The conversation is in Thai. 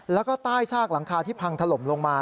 แล้วก็ใต้ซากหลังคาที่พังถล่มลงมา